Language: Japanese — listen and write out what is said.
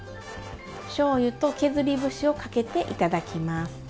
しょうゆと削り節をかけて頂きます。